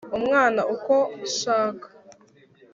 Umwana uko nshaka